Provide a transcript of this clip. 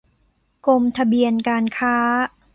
กรมทะเบียนการค้า